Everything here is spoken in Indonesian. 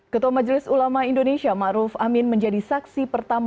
ketua majelis ulama indonesia ma'ruf amin menjadi saksi pertama